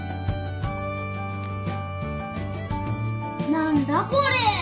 何だこれ？